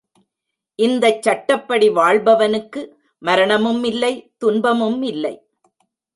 இந்தச் சட்டப்படி வாழ்பவனுக்கு மரணமுமில்லை, துன்பமுமில்லை.